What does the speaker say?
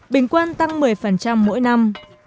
bình quân tăng một mươi mỗi năm